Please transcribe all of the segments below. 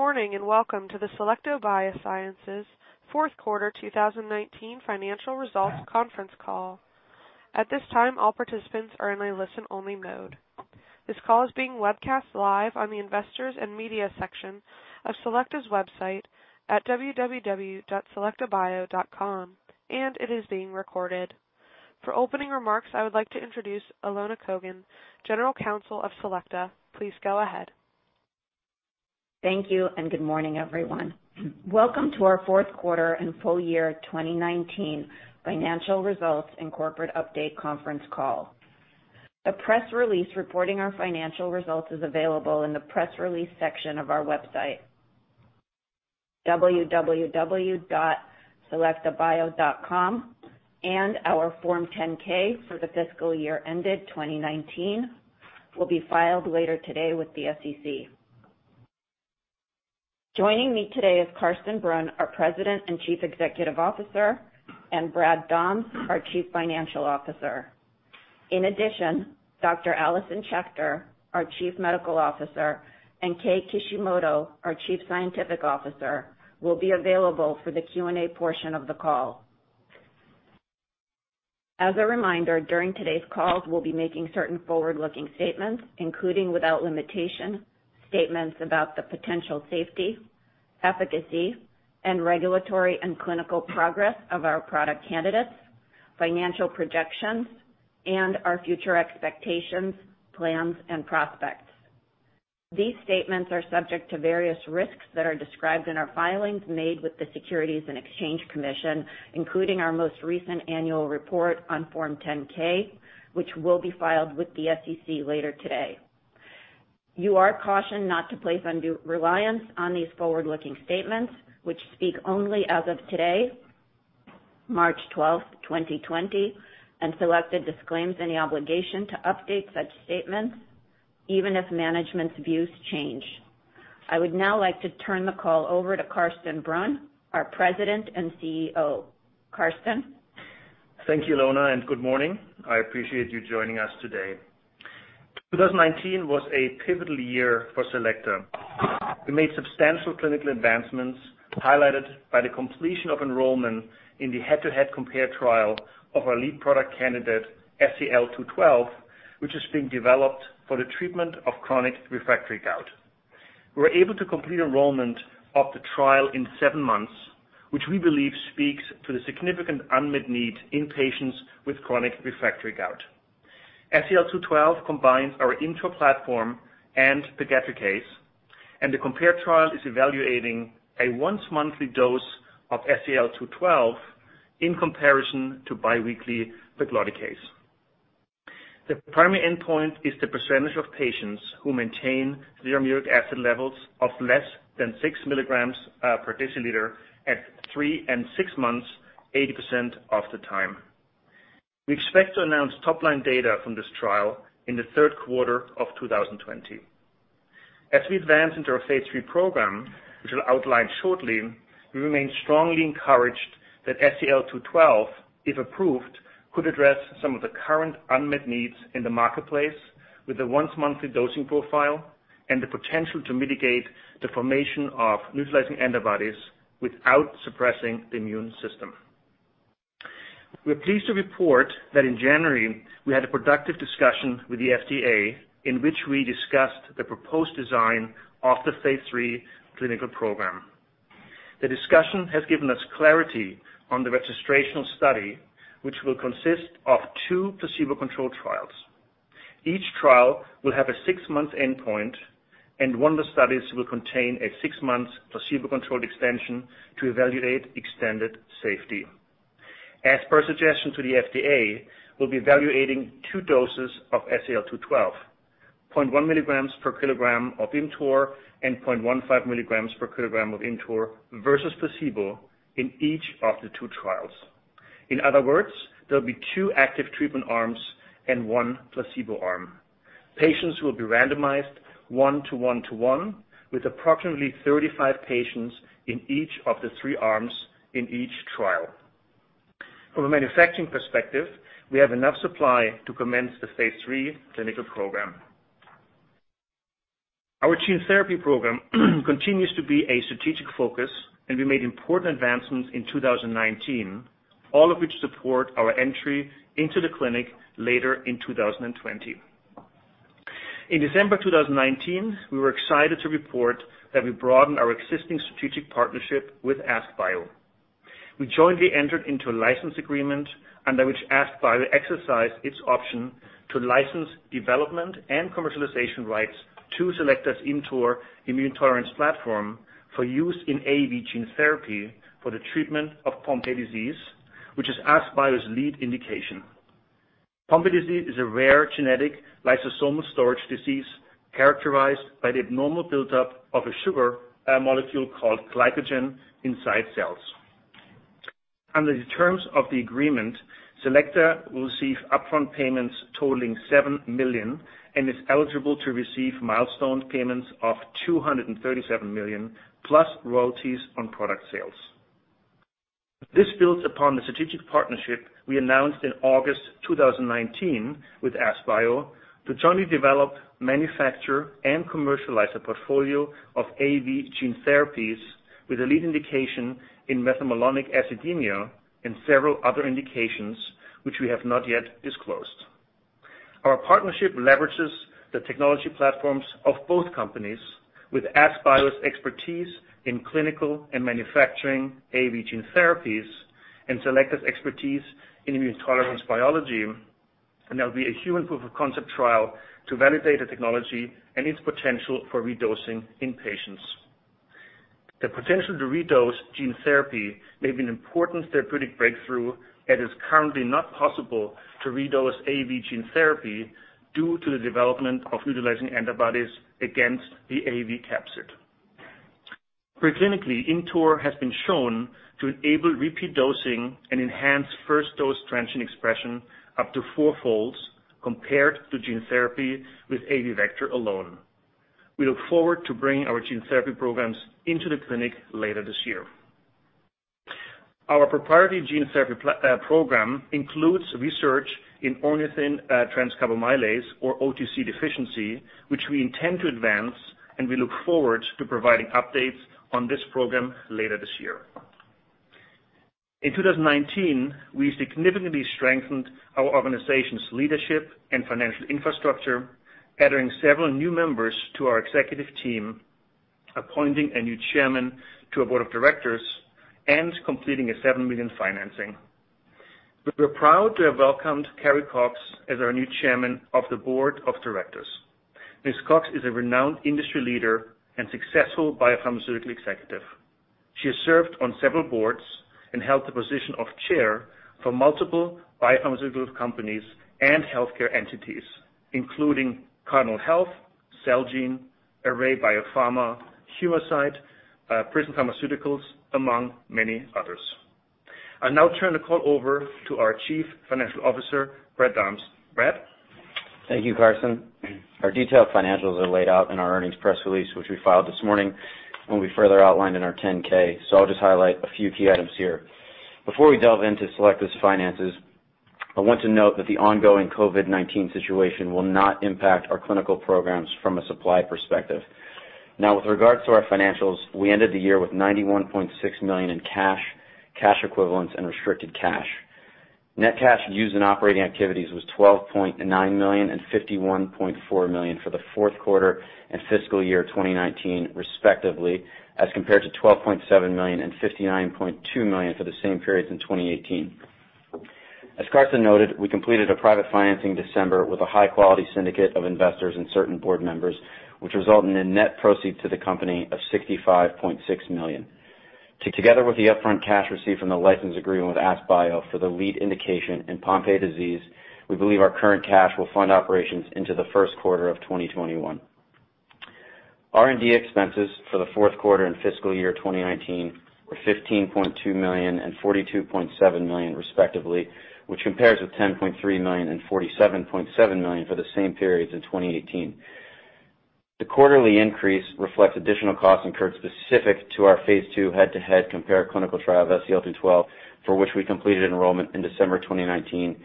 Good morning, welcome to the Selecta BioSciences' fourth quarter 2019 financial results conference call. At this time, all participants are in a listen-only mode. This call is being webcast live on the Investors and Media section of Selecta's website at www.selectabio.com, and it is being recorded. For opening remarks, I would like to introduce Elona Kogan, General Counsel of Selecta. Please go ahead. Thank you. Good morning, everyone. Welcome to our fourth quarter and full year 2019 financial results and corporate update conference call. The press release reporting our financial results is available in the Press Release section of our website, selectabio.com. Our Form 10-K for the fiscal year ended 2019 will be filed later today with the SEC. Joining me today is Carsten Brunn, our President and Chief Executive Officer, and Brad Dahms, our Chief Financial Officer. In addition, Dr. Alison Schecter, our Chief Medical Officer, and Kei Kishimoto, our Chief Scientific Officer, will be available for the Q&A portion of the call. As a reminder, during today's call, we'll be making certain forward-looking statements, including, without limitation, statements about the potential safety, efficacy, and regulatory and clinical progress of our product candidates, financial projections, and our future expectations, plans, and prospects. These statements are subject to various risks that are described in our filings made with the Securities and Exchange Commission, including our most recent annual report on Form 10-K, which will be filed with the SEC later today. You are cautioned not to place undue reliance on these forward-looking statements, which speak only as of today, March 12th, 2020, and Selecta disclaims any obligation to update such statements even if management's views change. I would now like to turn the call over to Carsten Brunn, our President and CEO. Carsten. Thank you, Elona, and good morning. I appreciate you joining us today. 2019 was a pivotal year for Selecta. We made substantial clinical advancements highlighted by the completion of enrollment in the head-to-head COMPARE trial of our lead product candidate, SEL-212, which is being developed for the treatment of chronic refractory gout. We were able to complete enrollment of the trial in seven months, which we believe speaks to the significant unmet need in patients with chronic refractory gout. SEL-212 combines our ImmTOR platform and pegadricase, and the COMPARE trial is evaluating a once-monthly dose of SEL-212 in comparison to biweekly pegloticase. The primary endpoint is the percentage of patients who maintain zero uric acid levels of less than six milligrams per deciliter at three and six months, 80% of the time. We expect to announce top-line data from this trial in the third quarter of 2020. As we advance into our phase III program, which I'll outline shortly, we remain strongly encouraged that SEL-212, if approved, could address some of the current unmet needs in the marketplace with a once-monthly dosing profile and the potential to mitigate the formation of neutralizing antibodies without suppressing the immune system. We're pleased to report that in January, we had a productive discussion with the FDA, in which we discussed the proposed design of the phase III clinical program. The discussion has given us clarity on the registrational study, which will consist of two placebo-controlled trials. Each trial will have a six-month endpoint, and one of the studies will contain a six-month placebo-controlled extension to evaluate extended safety. As per suggestion to the FDA, we'll be evaluating two doses of SEL-212, 0.1 milligrams per kilogram of ImmTOR and 0.15 milligrams per kilogram of ImmTOR versus placebo in each of the two trials. In other words, there'll be two active treatment arms and one placebo arm. Patients will be randomized one to one to one with approximately 35 patients in each of the three arms in each trial. From a manufacturing perspective, we have enough supply to commence the phase III clinical program. Our gene therapy program continues to be a strategic focus, and we made important advancements in 2019, all of which support our entry into the clinic later in 2020. In December 2019, we were excited to report that we broadened our existing strategic partnership with AskBio. We jointly entered into a license agreement under which AskBio exercised its option to license development and commercialization rights to Selecta's ImmTOR immune tolerance platform for use in AAV gene therapy for the treatment of Pompe disease, which is AskBio's lead indication. Pompe disease is a rare genetic lysosomal storage disease characterized by the abnormal buildup of a sugar molecule called glycogen inside cells. Under the terms of the agreement, Selecta will receive upfront payments totaling $7 million and is eligible to receive milestone payments of $237 million, plus royalties on product sales. This builds upon the strategic partnership we announced in August 2019 with AskBio to jointly develop, manufacture, and commercialize a portfolio of AAV gene therapies with a lead indication in methylmalonic acidemia and several other indications which we have not yet disclosed. Our partnership leverages the technology platforms of both companies with AskBio's expertise in clinical and manufacturing AAV gene therapies and Selecta's expertise in immune tolerance biology, there'll be a human proof of concept trial to validate the technology and its potential for redosing in patients. The potential to redose gene therapy may be an important therapeutic breakthrough, as it is currently not possible to redose AAV gene therapy due to the development of neutralizing antibodies against the AAV capsid. Preclinically, ImmTOR has been shown to enable repeat dosing and enhance first dose transient expression up to four-fold compared to gene therapy with AAV vector alone. We look forward to bringing our gene therapy programs into the clinic later this year. Our proprietary gene therapy program includes research in ornithine transcarbamylase, or OTC deficiency, which we intend to advance, and we look forward to providing updates on this program later this year. In 2019, we significantly strengthened our organization's leadership and financial infrastructure, adding several new members to our executive team, appointing a new chairman to our board of directors, and completing a $7 million financing. We're proud to have welcomed Carrie Cox as our new chairman of the board of directors. Ms. Cox is a renowned industry leader and successful biopharmaceutical executive. She has served on several boards and held the position of chair for multiple biopharmaceutical companies and healthcare entities, including Cardinal Health, Celgene, Array BioPharma, Humacyte, Prism Pharmaceuticals, among many others. I'll now turn the call over to our Chief Financial Officer, Brad Dahms. Brad? Thank you, Carsten. Our detailed financials are laid out in our earnings press release, which we filed this morning, and will be further outlined in our 10-K, so I'll just highlight a few key items here. Before we delve into Selecta's finances, I want to note that the ongoing COVID-19 situation will not impact our clinical programs from a supply perspective. With regards to our financials, we ended the year with $91.6 million in cash equivalents, and restricted cash. Net cash used in operating activities was $12.9 million and $51.4 million for the fourth quarter and fiscal year 2019, respectively, as compared to $12.7 million and $59.2 million for the same periods in 2018. As Carsten noted, we completed a private financing in December with a high-quality syndicate of investors and certain board members, which resulted in a net proceed to the company of $65.6 million. Taken together with the upfront cash received from the license agreement with AskBio for the lead indication in Pompe disease, we believe our current cash will fund operations into the first quarter of 2021. R&D expenses for the fourth quarter and fiscal year 2019 were $15.2 million and $42.7 million respectively, which compares with $10.3 million and $47.7 million for the same periods in 2018. The quarterly increase reflects additional costs incurred specific to our phase II head-to-head COMPARE clinical trial of SEL-212, for which we completed enrollment in December 2019.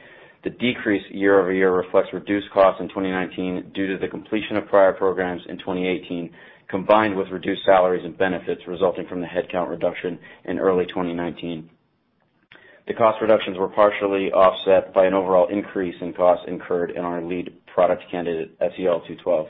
The decrease year-over-year reflects reduced costs in 2019 due to the completion of prior programs in 2018, combined with reduced salaries and benefits resulting from the headcount reduction in early 2019. The cost reductions were partially offset by an overall increase in costs incurred in our lead product candidate, SEL-212.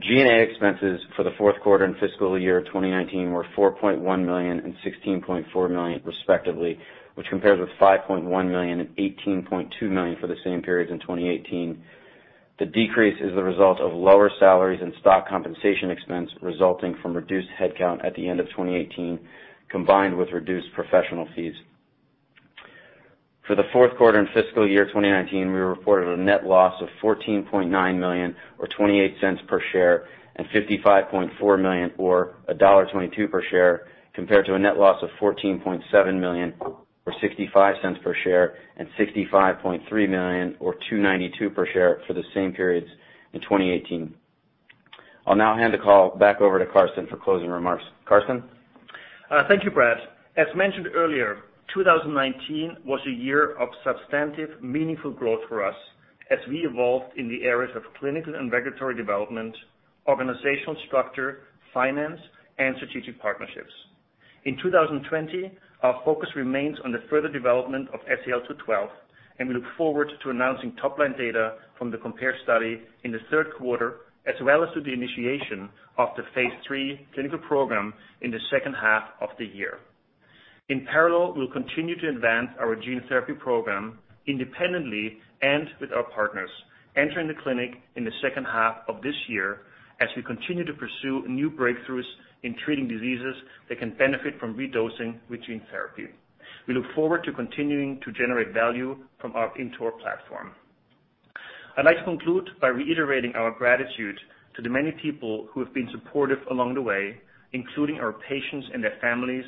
G&A expenses for the fourth quarter and fiscal year 2019 were $4.1 million and $16.4 million respectively, which compares with $5.1 million and $18.2 million for the same periods in 2018. The decrease is the result of lower salaries and stock compensation expense resulting from reduced headcount at the end of 2018, combined with reduced professional fees. For the fourth quarter and fiscal year 2019, we reported a net loss of $14.9 million, or $0.28 per share, and $55.4 million, or $1.22 per share, compared to a net loss of $14.7 million or $0.65 per share and $65.3 million or $2.92 per share for the same periods in 2018. I'll now hand the call back over to Carsten for closing remarks. Carsten? Thank you, Brad. As mentioned earlier, 2019 was a year of substantive, meaningful growth for us as we evolved in the areas of clinical and regulatory development, organizational structure, finance, and strategic partnerships. In 2020, our focus remains on the further development of SEL-212, we look forward to announcing top-line data from the COMPARE study in the third quarter, as well as to the initiation of the phase III clinical program in the second half of the year. In parallel, we'll continue to advance our gene therapy program independently and with our partners, entering the clinic in the second half of this year as we continue to pursue new breakthroughs in treating diseases that can benefit from redosing with gene therapy. We look forward to continuing to generate value from our ImmTOR platform. I'd like to conclude by reiterating our gratitude to the many people who have been supportive along the way, including our patients and their families,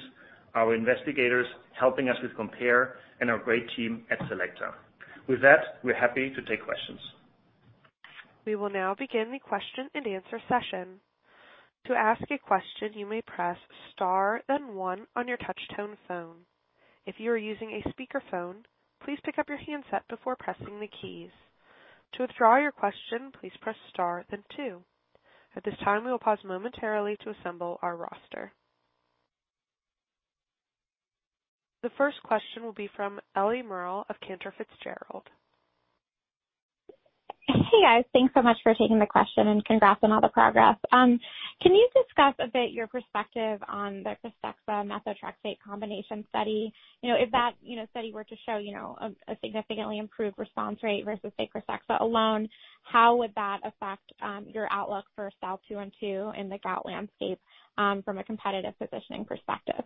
our investigators helping us with COMPARE, and our great team at Selecta. With that, we're happy to take questions. We will now begin the question and answer session. To ask a question, you may press star then one on your touch-tone phone. If you are using a speakerphone, please pick up your handset before pressing the keys. To withdraw your question, please press star then two. At this time, we will pause momentarily to assemble our roster. The first question will be from Eliana Merle of Cantor Fitzgerald. Hey, guys. Thanks so much for taking the question and congrats on all the progress. Can you discuss a bit your perspective on the KRYSTEXXA methotrexate combination study? If that study were to show a significantly improved response rate versus KRYSTEXXA alone, how would that affect your outlook for SEL-212 in the gout landscape from a competitive positioning perspective?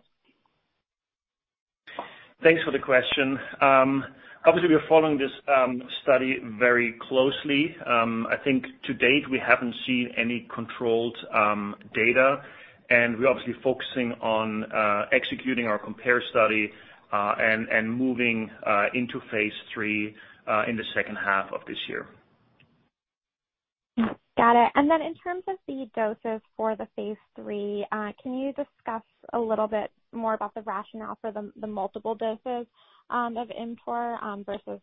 Thanks for the question. Obviously, we are following this study very closely. I think to date, we haven't seen any controlled data, and we're obviously focusing on executing our COMPARE study and moving into phase III in the second half of this year. Got it. In terms of the doses for the phase III, can you discuss a little bit more about the rationale for the multiple doses of ImmTOR versus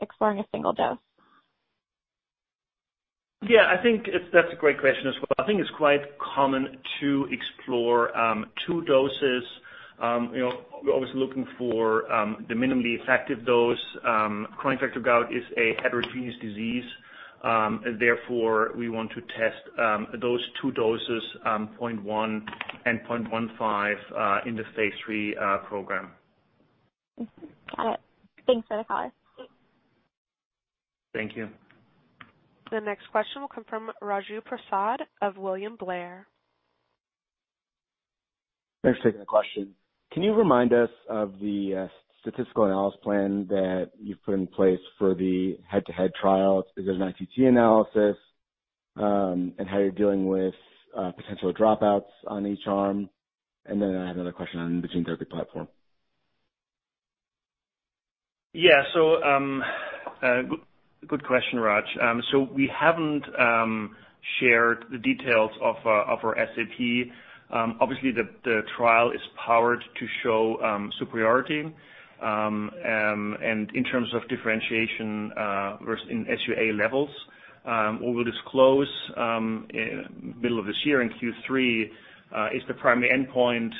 exploring a single dose? Yeah, I think that's a great question as well. I think it's quite common to explore two doses. We're always looking for the minimally effective dose. Chronic refractory gout is a heterogeneous disease. Therefore, we want to test those two doses, 0.1 and 0.15, in the phase III program. Got it. Thanks for the color. Thank you. The next question will come from Raju Prasad of William Blair. Thanks for taking the question. Can you remind us of the statistical analysis plan that you've put in place for the head-to-head trial? Is there an ITT analysis and how you're dealing with potential dropouts on each arm? I have another question on the gene therapy platform. Yeah. Good question, Raj. We haven't shared the details of our SAP. Obviously, the trial is powered to show superiority and in terms of differentiation versus in SUA levels. What we'll disclose middle of this year in Q3 is the primary endpoint,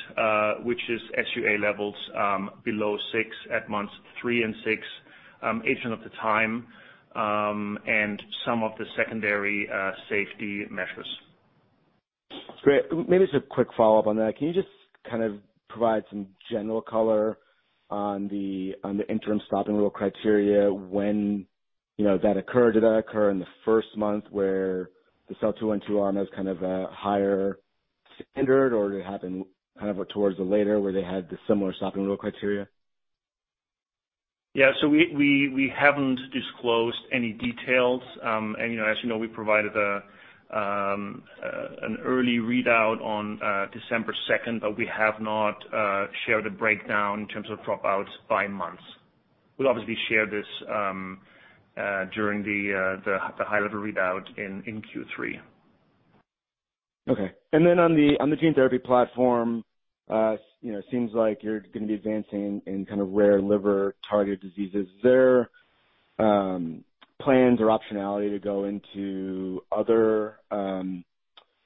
which is SUA levels below six at months three and six, [80%of the time, and some of the secondary safety measures. Great. Maybe just a quick follow-up on that. Can you just kind of provide some general color on the interim stopping rule criteria when that occurred? Did that occur in the first month where the SEL-212 arm was kind of a higher standard, or did it happen kind of towards the later where they had the similar stopping rule criteria? We haven't disclosed any details. As you know, we provided an early readout on December 2nd, but we have not shared a breakdown in terms of dropouts by months. We'll obviously share this during the high-level readout in Q3. Okay. On the gene therapy platform, it seems like you're going to be advancing in kind of rare liver-targeted diseases. Is there plans or optionality to go into other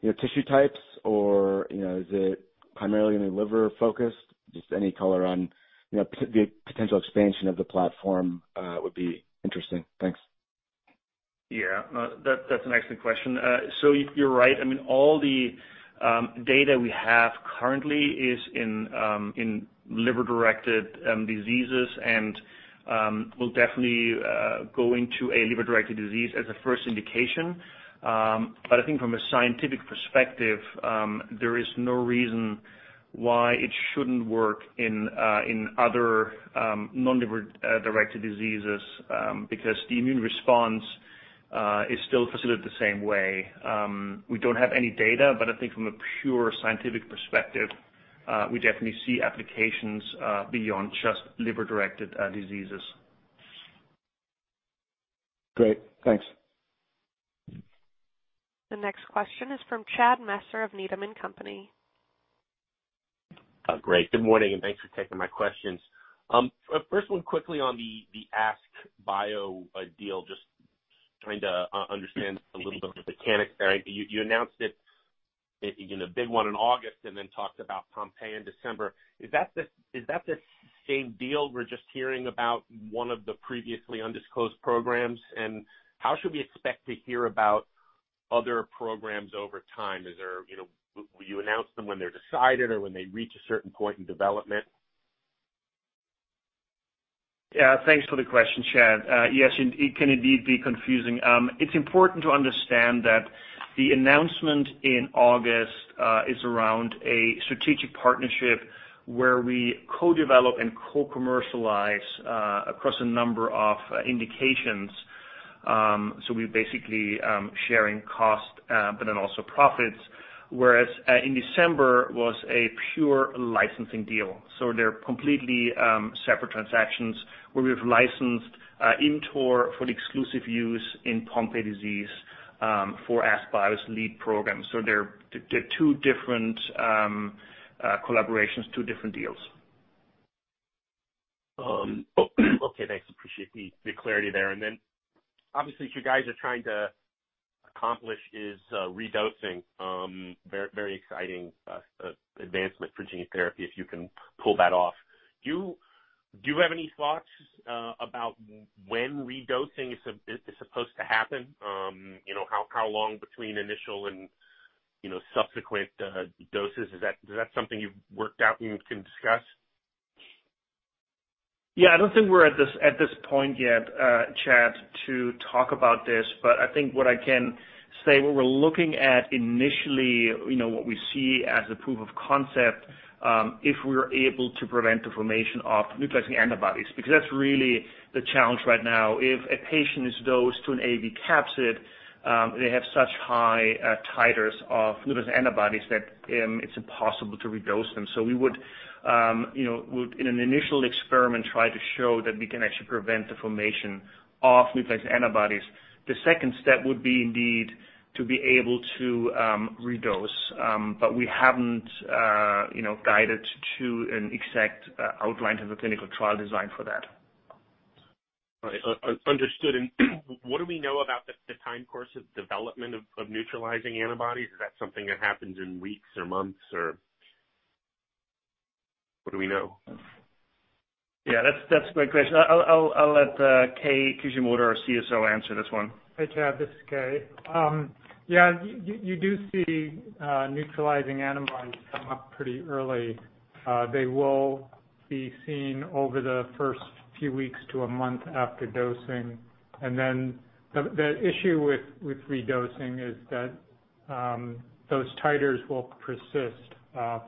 tissue types or is it primarily going to be liver-focused? Just any color on the potential expansion of the platform would be interesting. Thanks. Yeah. That's an excellent question. You're right. All the data we have currently is in liver-directed diseases and we'll definitely go into a liver-directed disease as a first indication. I think from a scientific perspective, there is no reason why it shouldn't work in other non-liver-directed diseases because the immune response is still facilitated the same way. We don't have any data, but I think from a pure scientific perspective, we definitely see applications beyond just liver-directed diseases. Great. Thanks. The next question is from Chad Messer of Needham & Company. Great. Good morning, and thanks for taking my questions. First one quickly on the AskBio deal, just trying to understand a little bit of the mechanics there. You announced it in a big one in August and then talked about Pompe in December. Is that the same deal we're just hearing about one of the previously undisclosed programs, and how should we expect to hear about other programs over time? Will you announce them when they're decided or when they reach a certain point in development? Yeah. Thanks for the question, Chad. Yes, it can indeed be confusing. It's important to understand that the announcement in August is around a strategic partnership where we co-develop and co-commercialize across a number of indications. We're basically sharing cost, but then also profits, whereas in December was a pure licensing deal. They're completely separate transactions where we've licensed ImmTOR for the exclusive use in Pompe disease for AskBio's lead program. They're two different collaborations, two different deals. Okay, thanks. Appreciate the clarity there. Obviously, what you guys are trying to accomplish is redosing. Very exciting advancement for gene therapy if you can pull that off. Do you have any thoughts about when redosing is supposed to happen? How long between initial and subsequent doses? Is that something you've worked out and can discuss? Yeah, I don't think we're at this point yet, Chad, to talk about this. I think what I can say, what we're looking at initially, what we see as a proof of concept, if we're able to prevent the formation of neutralizing antibodies, because that's really the challenge right now. If a patient is dosed to an AAV capsid, they have such high titers of neutralizing antibodies that it's impossible to redose them. We would, in an initial experiment, try to show that we can actually prevent the formation of neutralizing antibodies. The second step would be indeed to be able to redose. We haven't guided to an exact outline of the clinical trial design for that. Understood. What do we know about the time course of development of neutralizing antibodies? Is that something that happens in weeks or months or what do we know? Yeah, that's a great question. I'll let Kei Kishimoto, our CSO, answer this one. Hey, Chad, this is Kei. Yeah, you do see neutralizing antibodies come up pretty early. They will be seen over the first few weeks to a month after dosing. The issue with redosing is that those titers will persist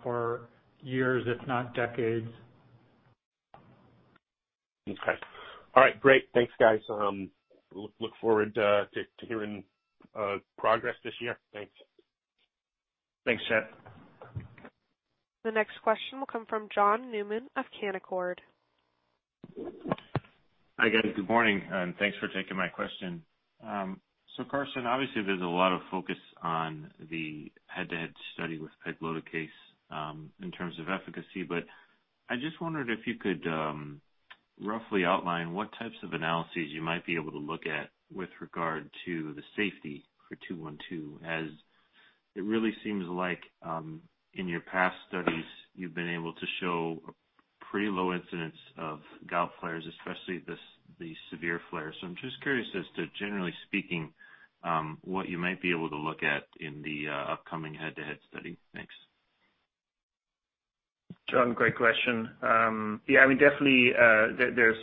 for years, if not decades. Okay. All right. Great. Thanks, guys. Look forward to hearing progress this year. Thanks. Thanks, Chad. The next question will come from John Newman of Canaccord. Hi, guys. Good morning. Thanks for taking my question. Carsten, obviously, there's a lot of focus on the head-to-head study with pegloticase in terms of efficacy, but I just wondered if you could roughly outline what types of analyses you might be able to look at with regard to the safety for SEL-212, as it really seems like in your past studies, you've been able to show pretty low incidence of gout flares, especially the severe flares. I'm just curious as to, generally speaking, what you might be able to look at in the upcoming head-to-head study. Thanks. John, great question. Yeah, definitely there's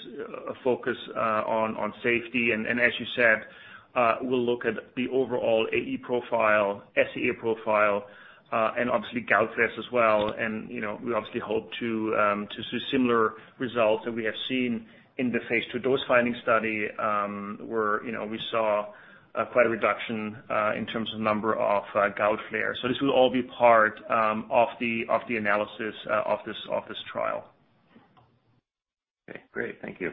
a focus on safety. As you said, we'll look at the overall AE profile, SAE profile, and obviously gout flares as well. We obviously hope to see similar results that we have seen in the phase II dose-finding study, where we saw quite a reduction in terms of number of gout flares. This will all be part of the analysis of this trial. Okay, great. Thank you.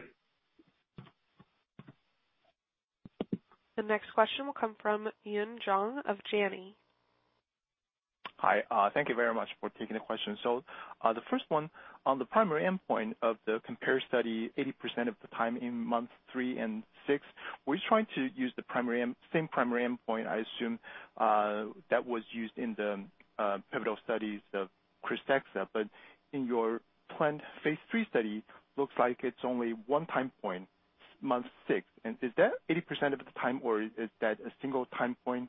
The next question will come from Yun Zhong of Janney. Hi. Thank you very much for taking the question. The first one on the primary endpoint of the COMPARE study, 80% of the time in month three and six, we're trying to use the same primary endpoint, I assume, that was used in the pivotal studies of KRYSTEXXA. In your planned phase III study, looks like it's only one time point, month six. Is that 80% of the time, or is that a single time point?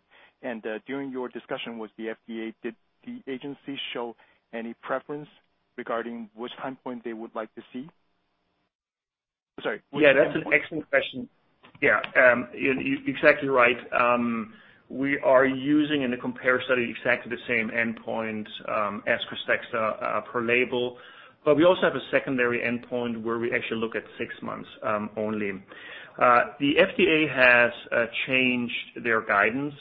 During your discussion with the FDA, did the agency show any preference regarding which time point they would like to see? Sorry. That's an excellent question. Yeah. You're exactly right. We are using in the COMPARE study exactly the same endpoint as KRYSTEXXA per label. We also have a secondary endpoint where we actually look at six months only. The FDA has changed their guidance,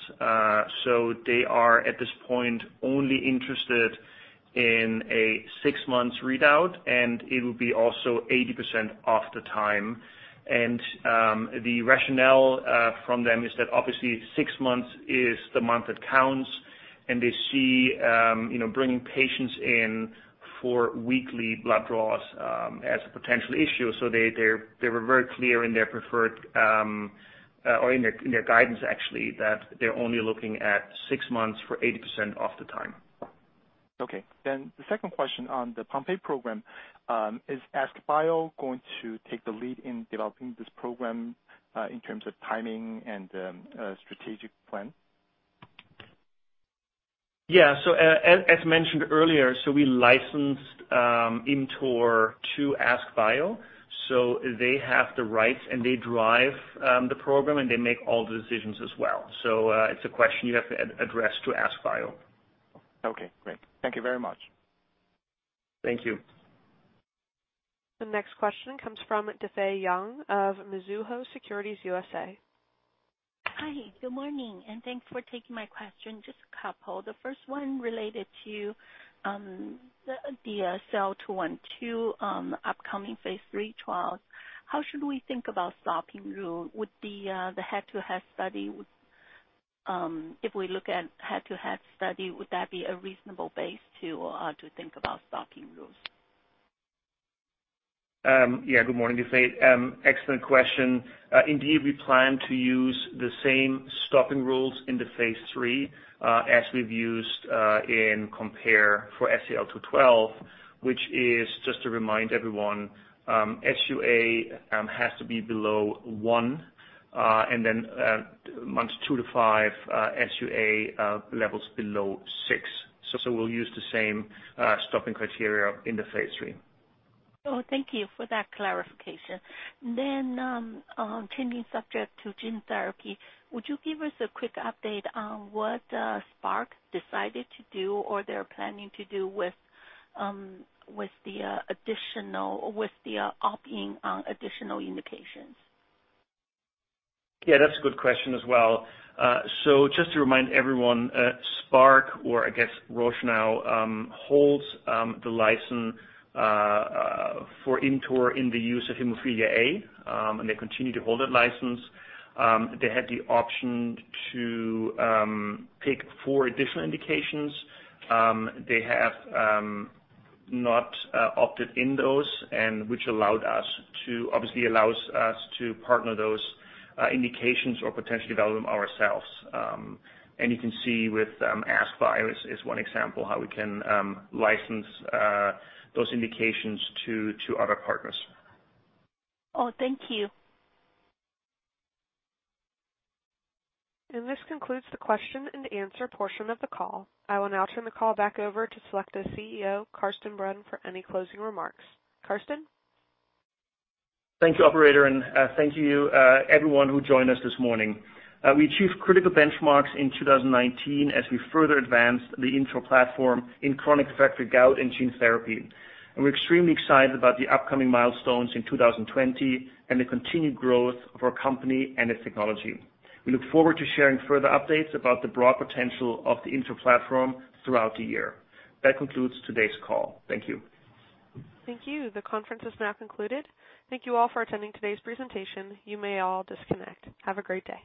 they are, at this point, only interested in a six months readout, and it will be also 80% of the time. The rationale from them is that obviously six months is the month that counts, and they see bringing patients in for weekly blood draws as a potential issue. They were very clear in their preferred, or in their guidance actually, that they're only looking at six months for 80% of the time. Okay, the second question on the Pompe program. Is AskBio going to take the lead in developing this program, in terms of timing and strategic plan? Yeah. As mentioned earlier, we licensed ImmTOR to AskBio. They have the rights, and they drive the program, and they make all the decisions as well. It's a question you have to address to AskBio. Okay, great. Thank you very much. Thank you. The next question comes from Difei Yang of Mizuho Securities USA. Hi, good morning, thanks for taking my question. Just a couple. The first one related to the SEL-212 upcoming phase III trials. How should we think about stopping rule? If we look at head-to-head study, would that be a reasonable base to think about stopping rules? Good morning, Difei. Excellent question. Indeed, we plan to use the same stopping rules in the phase III as we've used in COMPARE for SEL-212, which is, just to remind everyone, SUA has to be below one and then months two to five, SUA levels below six. We'll use the same stopping criteria in the phase III. Thank you for that clarification. Changing subject to gene therapy, would you give us a quick update on what Spark decided to do or they're planning to do with the opt-in additional indications? Yeah, that's a good question as well. Just to remind everyone, Spark, or I guess Roche now, holds the license for ImmTOR in the use of hemophilia A, and they continue to hold that license. They had the option to pick four additional indications. They have not opted in those, which obviously allows us to partner those indications or potentially develop them ourselves. You can see with AskBio is one example how we can license those indications to other partners. Oh, thank you. This concludes the question and answer portion of the call. I will now turn the call back over to Selecta CEO, Carsten Brunn, for any closing remarks. Carsten? Thank you, operator, and thank you everyone who joined us this morning. We achieved critical benchmarks in 2019 as we further advanced the ImmTOR platform in chronic refractory gout and gene therapy. We're extremely excited about the upcoming milestones in 2020 and the continued growth of our company and its technology. We look forward to sharing further updates about the broad potential of the ImmTOR platform throughout the year. That concludes today's call. Thank you. Thank you. The conference is now concluded. Thank you all for attending today's presentation. You may all disconnect. Have a great day.